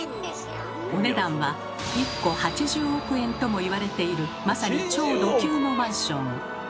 お値段は１戸８０億円ともいわれているまさに超ド級のマンション。